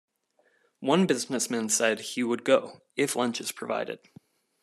One businessman said he would go...if lunch is provided.